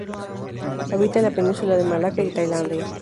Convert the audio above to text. Habita en la Península de Malaca y Tailandia.